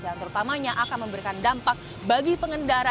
yang terutamanya akan memberikan dampak bagi pengendaraan